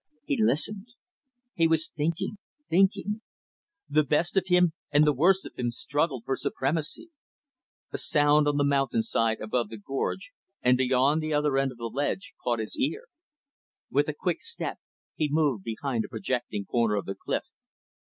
He listened. He was thinking, thinking. The best of him and the worst of him struggled for supremacy. A sound on the mountainside, above the gorge, and beyond the other end of the ledge, caught his ear. With a quick step he moved behind a projecting corner of the cliff.